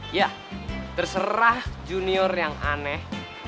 ya terserah junior yang aneh